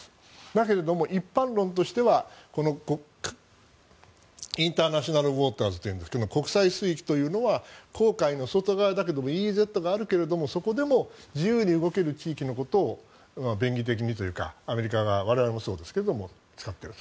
だけども、一般論としてはインターナショナルウォーターズというんですが国際水域というのは公海の外側だけどＥＥＺがあるけれどそこでも自由に動ける地域のことを便宜的にというかアメリカ側が我々もそうですが使っている。